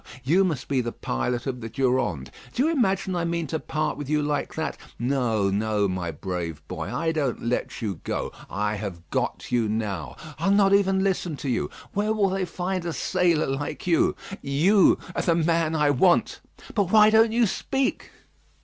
You must be the pilot of the Durande. Do you imagine I mean to part with you like that? No, no, my brave boy; I don't let you go. I have got you now; I'll not even listen to you. Where will they find a sailor like you? You are the man I want. But why don't you speak?"